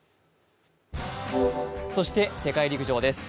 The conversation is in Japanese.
そして世界陸上です。